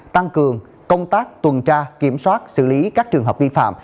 tăng cường công tác tuần tra kiểm soát xử lý các trường hợp vi phạm